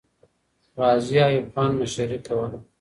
غازي ایوب خان مشري کوله.